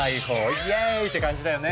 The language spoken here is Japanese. イェーイ！って感じだよね。